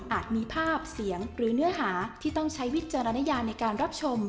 มีภาพเสียงหรือเนื้อหาที่ต้องใช้วิจารณญาในการรับชม